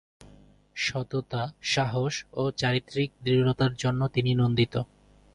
সততা, সাহস ও চারিত্রিক দৃঢ়তার জন্য তিনি নন্দিত।